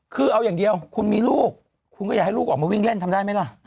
คือเอาอย่างเดียวคุณมีลูกคุณก็อยากให้ลูกออกมาวิ่งเล่นทำได้ไหมล่ะ